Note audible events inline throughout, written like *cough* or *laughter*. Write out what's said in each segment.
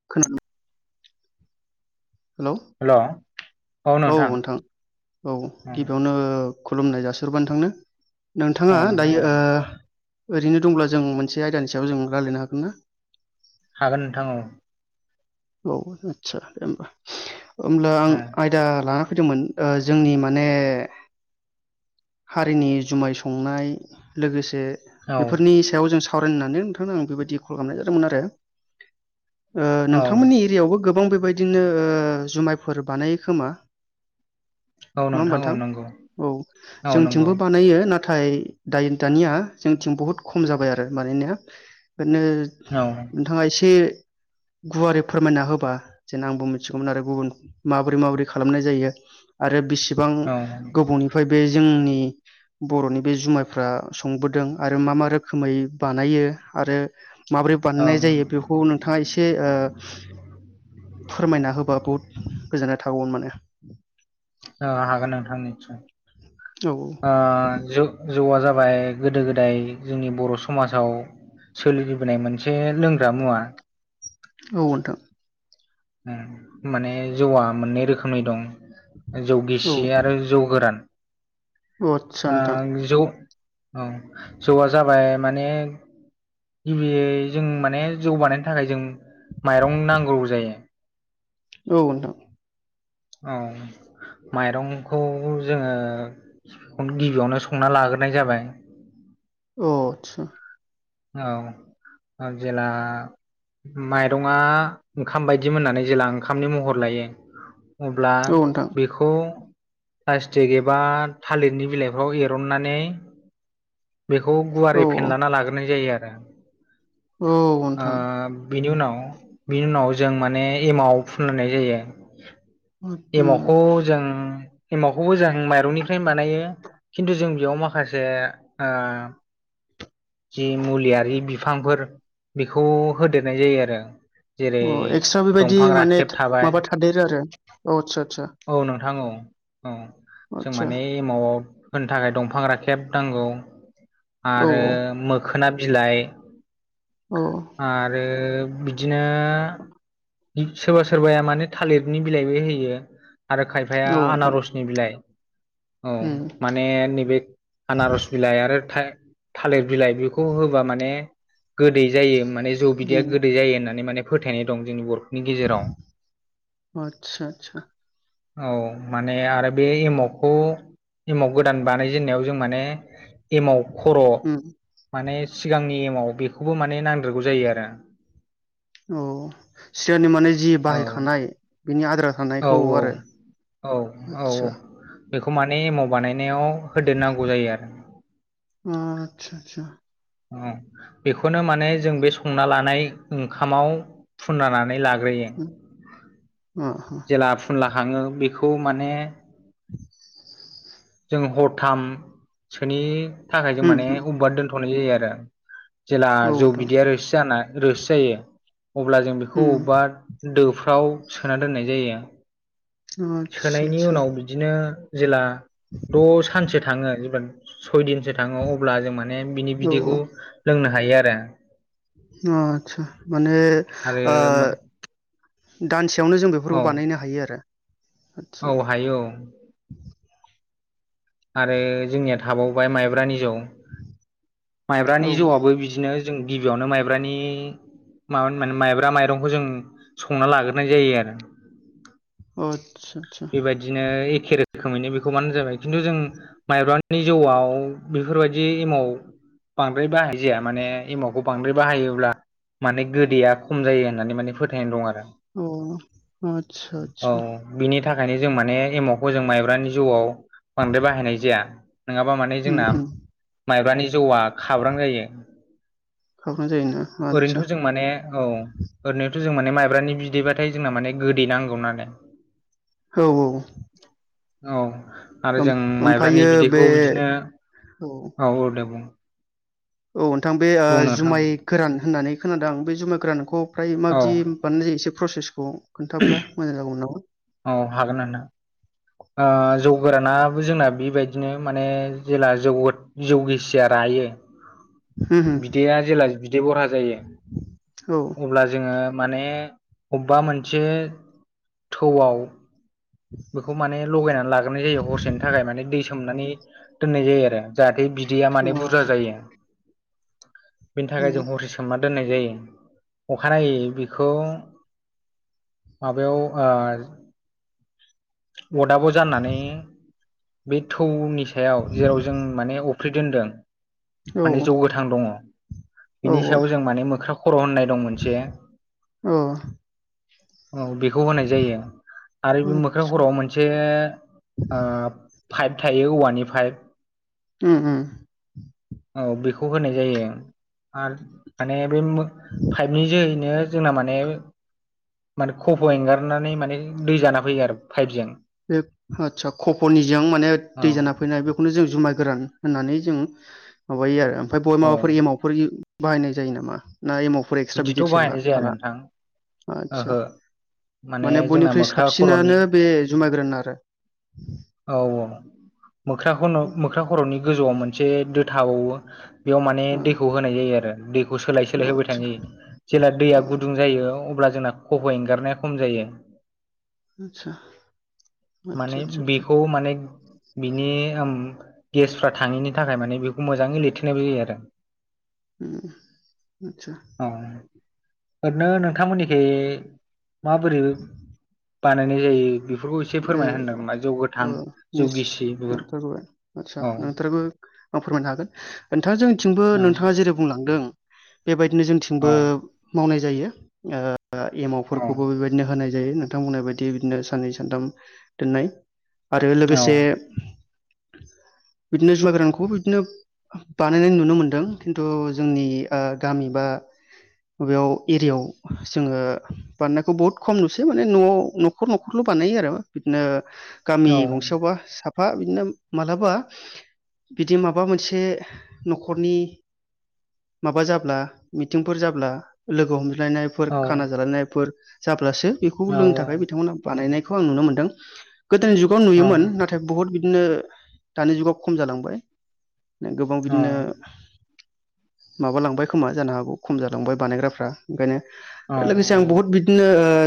*inaudible* Hello hello औ नोंथां औ गिबियावनो खुलुमनाय जासिहरबाय नोंथांनो नोंथाङा औ नोंथां दायो औ ओरैनो दंब्ला जों मोनसे आयदानि सायाव जों रायज्लायनो हागोन ना हागोन नोंथां औ औ आदसा दे होनबा हब्ला आं जा लाना फैदोंमोन जोंनि माने हारिनि जुमाय संनाय लोगोसे औ बेफोरनि सायाव जों सावरायनानै नोंथांनो आं बेबायदि कल खालामनाय जादोंमोन आरो औ नोंथांमोननि एरियायावबो गोबां बेबायदिनो जुमायफोर बानायो खोमा औ नङा होमबा औ नोंथां नंगौ औ औ नंगौ जोंथिंबो बानायो नाथाय नाथाय दायो दानिया जोंथिं बहुत खम जाबाय आरो मानिनाया ओरनो औ नोंथाङा एसे गुवारै फोरमायना होबा जेन आंबो मिथिगौमोन आरो गुबुन माबोरै माबोरै खालामनाय जायो आरो बिसिबां औ गोबावनिफ्राय बे जोंनि बर'नि बे जुमाइफ्रा संबोदों आरो मा मा रोखोमै बानायो आरो माबोरै औ बानायनाय जायो बेखौ नोंथाङा एसे ओ फोरमायना होबा बहुत गोजोननाय थागौमोन माने। ओ हागोन नोंथां निथसय। औ ओ जुग जौआ जाबाय गोदो गोदाय जोंनि बर' समाजाव सोलिलिबोनाय मोनसे लोंग्रा मुवा औ नोंथां माने जौआ मोननै रोखोमनि दं जौ औ गिसि आरो जौ गोरान अ आदसा नोंथां जौ औ जौआ जाबाय माने गिबियै जों माने जौगानायनि थाखाय जों माइरं नांगौ जायो औ नोंथां औ माइरंखौ जोङो खौनो गिबियावनो संना लागोरनाय जाबाय। अ' आथ्सा। औ, आं जेला माइरंआ ओंखाम बायदि मोन्नानै जेला ओंखामनि महर लायो अब्ला औ नोंथां बेखौ प्लास्टिक एबा थालिरनि बिलाइफ्राव एरननानै बेखौ औ गुवारै फेनलाना लागोरनाय जायो आरो। औ ओ नोंथां बिनि उनाव बिनि उनाव जों माने एमाव फुननाय जायो। उम एमावखौ जों एमावखौबो जों माइरंनिफ्रायनो बानायो खिन्थु जों बेयाव माखासे ओ जि मुलियारि बिफांफोर बेखौ होदेरनाय जायो आरो। जेरै अ' एक्सट्रा बेबायदि दंफां माने राखेब थाबाय माबा थादेरो आरो अ' आथ्सा आथ्सा। औ नोंथां, औ औ, जों आदसा माने एमावआव होनो थाखाय दंफां राखेब नांगौ औ आरो औ मो खोना बिलाइ अ' आरो बिदिनो सोरबा सोरबाया माने थालिरनि बिलाइबो होयो। आरो खायफाया नोंथां आनारसनि बिलाइ औ, उम मा ने नैबो आनारस बिलाइ आरो था-थालिर बिलाइ बि खौ होबा माने गोदै जायो माने जौ बिदैया उम गोदै जायो होननानै माने फोथायनाय दं जोंनि बर' नि गेजेराव। आदसा आदसा औ, माने आरो बे एमावखौ एमाव गोदान बानाय जेन्नायाव जों माने एमाव खर' उम माने सिगांनि एमाव बेखौबो माने नांदेरगौ जायो आरो। औ, सिगांनि माने जि औ बाहायखानाय बिनि आद्रा औ थानायखौ आरो? औ, औ आदसा औ, बेखौ माने एमाव बानायनायाव होदेरनांगौ जायो आरो। आथ्सा आथ्सा। उम बेखौनो माने जों बे संना लानाय ओंखामाव फुनलानानै लाग्रोयो। उम अ ह जेला फुनला खाङो बेखौ माने जों हरथामसोनि थाखाय जों उम माने उम उब्बा दोन्थ'नाय जायो आरो। जेला औ जौ नोंथां बिदैया रोसि जाना रोसि जायो, अब्ला जों बेखौ उम अब्बा दोफ्राव सोनानै दोननाय जायो, आदसा सोनायनि आदसा उनाव बि बिदिनो जेला द सानसो थाङो जेब्ला सयदिनसो थाङो अब्ला जों मान ने बिनि औ बिदैखौ लोंनो हायो आरो। अ आचसा माने आरो ओ आरो दानसेयावनो जों बे बेफोरखौ औ बानायनो हायो आरो। आदसा औ हायो औ। आरो जोंनिया थाबावबाय माइब्रानि जौ औ माइब्रानि जौआबो बिदिनो जों गिबियावनो माइब्रानि मा माने माइब्रा माइरंखौ जों संना लाग्रोनाय जायो आरो। आथ्सा सा। बेदिनो एखे रोखोमैनो बेखौ मानो जाबाय खिन्थु जों माइब्रानि जौआव बेफोरबायदि एमाव बांद्राय बाहाय जाया माने एमावखौ बांद्राय बाहायोब्ला माने गोदैया खम जायो होननानै माने फोथायनाय दं आरो। अ' आथ्सा आथ्सा। औ बिनि थाखायनो जों माने एमावखौ जों माइब्रानि जौआव बांद्राय बाहायनाय जाया नोङाबा माने उम जोंना उम माइब्रानि जौआ खाब्रां जायो हाबनाय जायोना आदसा ओरैनोथ जों माने औ ओरैनोथ जों माने माइब्रानि बिदैबाथाय जोंना माने गोदै नांगौ नालाय। औ-औ। औ। आरो जों माइब्रानि ओमफ्रायो बे बिदैखौ बिदिनो औ औ-औ दे बुं। औ नोंथां बे ओ बुं नोंथां जुमाय गोरान होननानै खोनादों आं बे जुमाय गोरानखौ फ्राय औ माबायदि बाननाय जायो एसे प्रसेसखौ खोन्थाब्ला मोजां जागौमोन नामा? औ होगोन नोंथां। ओ जौ गोरानाबो जोंना बेबायदिनो माने जेला जौ जौ गिसिया रायो। उम उम बिदैया जेब्ला बिदै बरहा जायो औ अब्ला जोङो माने अवबा मोनसे थौआव बेखौ माने लगायनानै लाग्रोनाय जायो हरसेनि थाखाय माने दै सोमनानै दोननाय जायो आरो। जाहाथे बिदैया माने बुरजा जायो बिनि थाखाय जों हरसे सो सोमना दोननाय जायो अखानायै बिखौ माबायाव ओ अदाबाव जानानै बे थौनि सायाव जेराव जों माने फ्रि दोनदों माने जौ औ गोथां दङ। औ बिनि सायाव जों माने मोख्रा खर' होननाय दं मोनसे ओ। औ बेखौ होनाय जायो आरो बे मो आदसा ओ मोनसे ओ पाइप थायो औवानि पाइप। उम-उम। औ बेखौ होनाय जायो आरो माने बे मो पाइपनि जोहैनो जोंना माने-माने खफ' एंगारनानै माने दै जाना फैयो आरो पाइपजों बे आतसा कपनिजों माने दै जाना फैनाय बे खौनो जों जुमाय गोरान होननानै जों माबायो आरो ओमफ्राय बाव औ माबाफोर एमावफोर बाहायनाय जायो नामा ना एमावफोर एक्सट्रा बिदिथ' बिदि बाहायनाय थेला जाया थाला नोंथां ओहो आदसा। माने जोंना बयनिख्रुइ मोख्रा खर'नि साबसिनानो बे जुमायगोरान आरो। औ-औ मोख्रा खन मोख्रा खर'नि गोजौआव मोनसे दो थाबावो। बेयाव माने अ दैखौ होनाय जायो आरो दैखौ सोलाय-सोलाय होबाय आदसा थानाय जायो। जेला दैया अ गुदुं जायो अब्ला जोंना खफ' एंगारनाया खम जायो। आतसा-आतसा-आतसा-आतसा। खौ माने बिनि ओम गेसफ्रा थाङैनि थाखाय माने बेखौ मोजाङै लिरथेनायबो जायो आरो। उम आतसा औ ओरैनो नोंथांमोननिखै माबोरै बानायनाय जायो बेफोरखौ एसे फोरमायना होनदों नामा जौ गोथां उम जौ नोंसि गिसि बेफोरखौ नोंथारगैबा आदसा नोंथारगोबा आं फोरमायनो हागोन नोंथां जोंथिंबो नोंथाङा जेरै बुंलांदों बेबायदिनो जोंथिंबो मावनाय जायो एमावफोरखौबो बेबायदिनो होनाय जायो नोंथां बुंनाय बायदि बिदिनो साननै सानथाम दोननाय आरो लोगोसे बिदिनो जुमाइ गोरानखौबो बिदिनो बानायनाय नुनो मोनदों खिन्थु जोंनि ओ गामि बा बेयाव एरियायाव जोङो बानायनायखौ बहुद खम नुसै माने न'आव न'खर-न'खरल' बानायो आरो। बिदिनो गामि गंसेयावबा साफ फा बिदिनो मालाबा बिदि माबा मोनसे न'खरनि माबा जाब्ला मिथिंफोर जाब्ला लोगो हमज्लायनाय फोर खाना जालायनायफोर जाब्लासो बेखौ लोंनो थाखाय बिथांमोना बानायनायखौ आं नुनो मोन्दों गोदोनि जुगाव नुयोमोन नाथाय नाथाय बुहुत बिदिनो दानि जुगाव खम जालांबाय गोबां बिदिनो माबालांबाय खोमा जानो हागौ खम जालांबाय बानायग्राफ्रा ओंखायनो आरो लोगोसे आं बहुत बिदिनो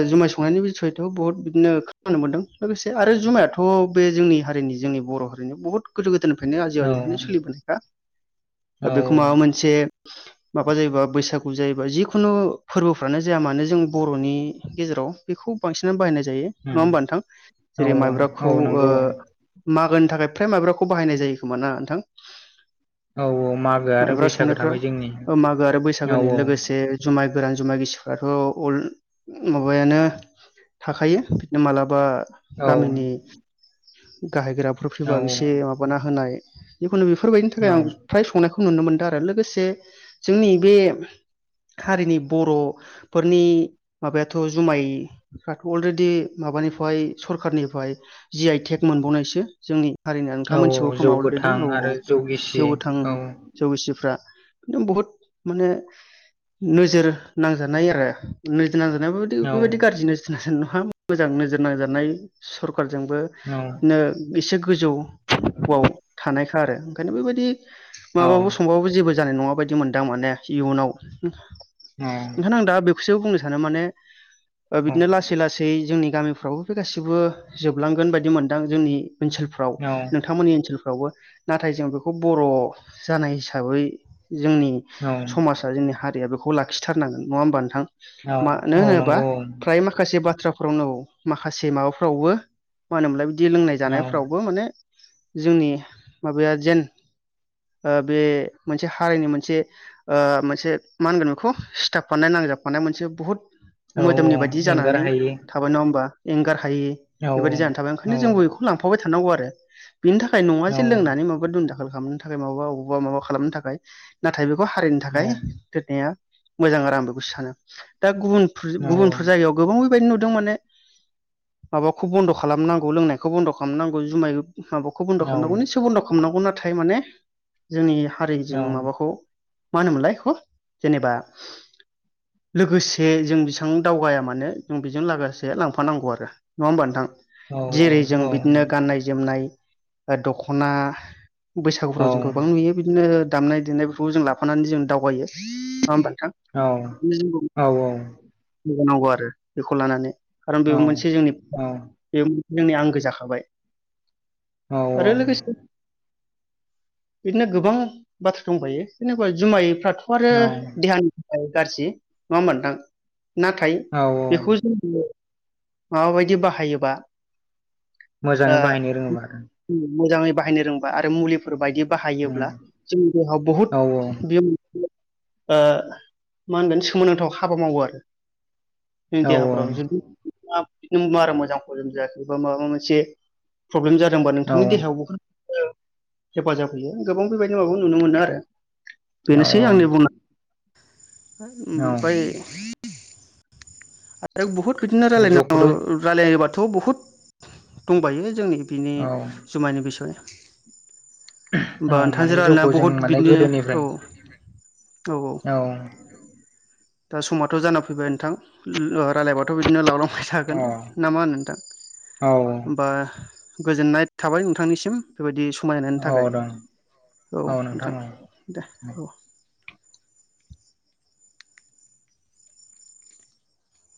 जुमाय संनायनि सयथ' बहुत बिदिनो खोनानो मोनदों लोगोसे आरो जुमायाथ' बे जोंनि हारिनि जोंनि बर' हारिनि बहुद गोदो गोदायनिफ्रायनो आजै आाजौनिफ्रायनो सोलिबोनायखा बेखौ माबा मोनसे माबा जायोबा बैसागु जायोबा जिखुनु फोरबोफ्रानो जाया मानो जों बर'नि गेजेराव बेखौ बांसिनानो बाहायनाय जायो नङा होमबा उम, नोंथां औ जेरै औ माइब्राखौ औ ओ नंगौ औ मागोनि थाखाय फ्राय माइब्राखौ बाहायनाय जायो खोमा ना नोंथां औ मागो आरो माइब्रा बैसागो थाबाय जोंनि संनायफ्रा मागो आरो औ औ बैसागोनि लोगोसे जुमाय गोरान जुमाय गिसिफ्राथ' अल माबायानो थाखायो बिदिनो मालाबा औ गामिनि गाहाय गोराफोर औ फैबा एसे माबाना होनाय जिखुनु बेफोरबायदिनि औ थाखाय आं फ्राय संनायखौ नुनो मोनदों आरो लोगोसे जोंनि बे हारिनि बर'फोरनि माबायाथ' जुमाय फ्राथ' अलरेडि माबानिफ्राय सरखारनिफ्राय जि आइ टेक मोनबावनायसो जोंनि हारिनि नोंथां औ मोनथिगौ जौ खोमा अलरेडि गोथां औ आरो औ जौ गिसि जौ थाङो औ जौ गिसिफ्रा बुहुद माने नोजोर नांजानाय आरो नोजोर नांजानायाबो औ बेबायदि गाज्रि नोजोर मोजां नोजोर नांजानाय सरखारजोंबो औ बिदिनो एसे गोजौआव थानायखा आरो ओंखायनो बेबायदि माबाबो संबाबो जेबो जानाय नङा बायदि मोनदो आं माने इयुनाव औ ओंखायनो आं दा बेखौसो बुंनो सानो माने बिदिनो लासै लासै फै जोंनि गामिफ्रावबो बे गासिबो जोबलांगोन बायदि मोनदो आं जोंनि ओनसोल फोराव नोंथांमोननि ओनसोलफ्रावबो नाथाय जों बेखौ बर' जानाय हिसाबै जोंनि औ समाज जोंनि हारिया बेखौ लाखिथारनांगोन नङा होमबा नोंथां? मानो औ होनोबा नंगौ फ्राय औ माखासे बाथ्राफोराव माखासे माबाफ्रावबो मा होनोमोनलाय बिदि लोंनाय औ जानायफ्रावबो माने जोंनि माबाया जेन आ बे मोनसे हारिनि मोनसे ओ मोनसे मा होनगोन बेखौ सिथाबफानाय नांजाबफानाय मोनसे बुहुत औ मोदोमनि औ बायदि एंगार जानानै हायि थाबाय नङा होमबा एंगार हायि औ बेबायदि जानानै थाबाय औ ओंखायनो जोंबो लांफाबाय थानांगौ आरो बिनि थाखाय नङा जे लोंनानै माबा बे दुम दाखोल खालामनो थाखाय माबा मबावबा माबा खालामनो थाखाय नाथाय बेखौ हारिनि थाखाय मोजां आरो आं बेखौ सानो दा गुबुन गुबुनफोर जायगायाव गोबां बेबायदि नुदों माने माबाखौ बन्द' खालामनांगौ लोंनायखौ बन्द' खालामनांगौ जुमाय माबाखौ औ गुबन्द' खालामनांगौ सुबन्द' खालामनौ नाथाय माने जोंनि औ हारिजों माबाखौ मा होनोमोनलाय एखौ जेनेबा लोगोसे जों बेसां दावगाया मानो जों बेजों लोगोसे लां‌ फानांगौ आरो नङा होमबा नोंथां। जेरै जों बिदिनो गाननाय जोमनाय दख'ना बैसागुफ्राव जों गोबां नुयो। बिदिनो दामनाय देनायफोरखौ जों लाफानानै जों दावगायो। नङा होमबा नोंथां? औ औ औ। नांगौ आरो बेखौ लानानै खारन बेबो मोनसे जोंनि जोंनि आंगो जाखाबाय औ लोगोसे बिदिनो गोबां बाथ्रा दंबायो जेनबा जुमायफ्रा थ' आरो औ देहानि थाखाय गाज्रि नङा होमबा नोंथां? नाथाय औ बेखौ जों माबाबायदि बाहायोबा ओ मोजाङै बाहायनो रोङोबा आरो। मोजाङै बाहायनो रोंबा आरो मुलि फोर बायदि बाहायोब्ला जोंनि देहायाव बहुद उम, औ बियो ओ मा होनगोन सोमोनांथाव हाबा मावो आरो। जोंनि देहाफ्राव जुदि बिदि बारा मोजां हजम जायाखै बा माबा मोनसे प्रब्लेम जादोंबा नोंथांनि देहायाव बुहुद हेफाजाब होयो गोबां बेबायदि माबा नुनो मोनो आरो। औ बेनोसै आंनि बुंनांगौआ *inaudible* औ ओमफ्राय आरो बुहुत बिदिनो औ रायलायनांगौ जौखौथ' रायलायोबाथ' बुहुद दंबायो जोंनि बिनि औ जुमायनि बिसय होमबा औ माने नोंथांजों रायलायना जौखौ जों बहुद माने बिदिनो गोदोनिफ्राय औ औ औ। दा समाथ' जाना फैबाय नोंथां रायलायबाथ' बिदिनो लावलां बाय थागोन औ ना मा होनो नोंथां? औ होमबा गोजोननाय थाबाय नोंथांनिसिम। बेबायदि समायनायनि औ थाखाय दं औ नोंथां दे। औ औ